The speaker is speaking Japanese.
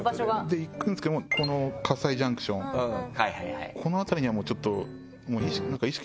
で行くんですけどこの西ジャンクションこの辺りにはもうちょっと。